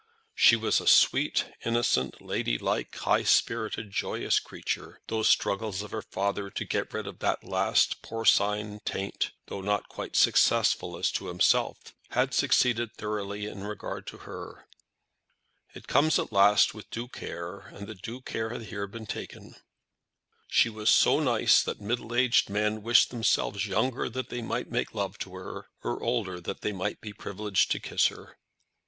She was a sweet, innocent, ladylike, high spirited, joyous creature. Those struggles of her father to get rid of the last porcine taint, though not quite successful as to himself, had succeeded thoroughly in regard to her. It comes at last with due care, and the due care had here been taken. She was so nice that middle aged men wished themselves younger that they might make love to her, or older that they might be privileged to kiss her.